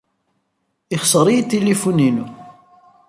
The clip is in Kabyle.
Ixṣer-iyi tilifun-inu.